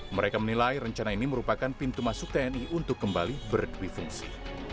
mereka menilai rencana ini merupakan pintu masuk tni untuk kembali berkrifungsi